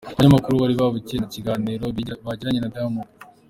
Abanyamakuru bari babukereye mu kiganiro bagiranye na Diamond.